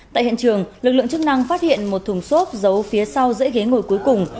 tại hiện trường lực lượng chức năng phát hiện một thùng xốp giấu phía sau dãy ghế ngồi cuối cùng